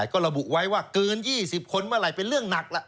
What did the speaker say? ก็ระบุไว้ว่าเกิน๒๐คนเมื่อไหร่เป็นเรื่องหนักละ